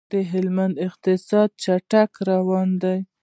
د هند اقتصاد په چټکۍ روان دی.